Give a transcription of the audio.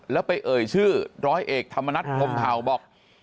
แล้วไปเอ่ยชื่อร้อยเอกธรรมนัฐพรมเผาบอก